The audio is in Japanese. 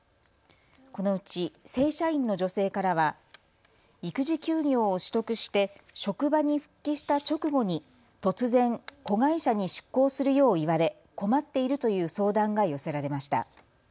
このうち正社員の女性からは育児休業を取得して職場に復帰した直後に突然、子会社に出向するよう言われ、困っているという相談が寄せられました。